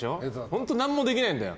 本当、何もできないんだよ